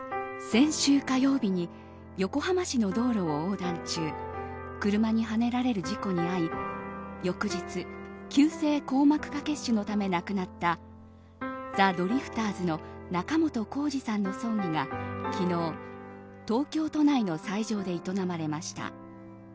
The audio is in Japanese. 先週火曜日に横浜市の道路を横断中車にはねられる事故に遭い翌日、急性硬膜下血腫のため亡くなったザ・ドリフターズの仲本工事さんの葬儀が、昨日東京都内の斎場で営まれました。